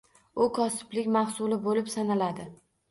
U kosiblik mahsuli bo’lib sanaladi.